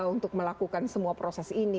untuk melakukan semua proses ini